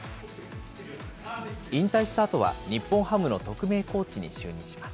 引退したあとは、日本ハムの特命コーチに就任します。